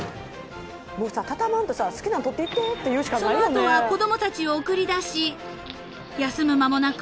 ［その後は子供たちを送り出し休む間もなく］